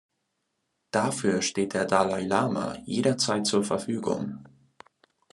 Dafür steht der Dalai Lama jederzeit zur Verfügung.